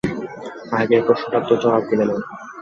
আগের প্রশ্নটার তো জবাব দিলে না।